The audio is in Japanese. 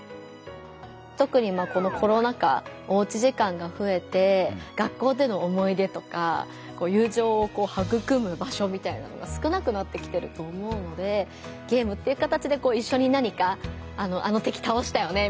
とくにこのコロナ禍おうち時間がふえて学校での思い出とか友情をはぐくむ場所みたいなのが少なくなってきてると思うのでゲームっていう形で一緒に何か「あの敵倒したよね」